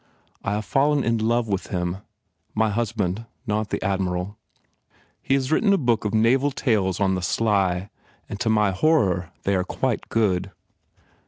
I have fallen in love with him my husband, not the Admiral. He has written a book of Naval tales on the sly and to my horror they are quite good.